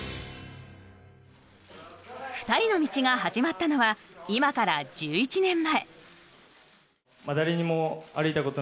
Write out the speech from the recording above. ２人の道が始まったのは今から１１年前。